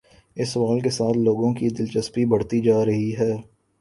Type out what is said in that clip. اس سوال کے ساتھ لوگوں کی دلچسپی بڑھتی جا رہی ہے۔